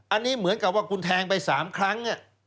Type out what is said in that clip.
อันนี้เหมือนกับว่าคุณแทงไป๓ครั้ง